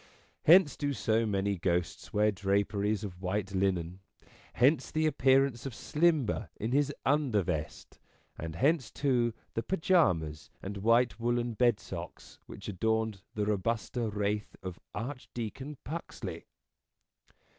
Hence do so many ghosts wear draperies of white linen ; hence the appearance of Slimber in his undervest; and hence, too, the pyjamas and white woollen bedsocks which adorned the robuster wraith of Archdeacon Puxley.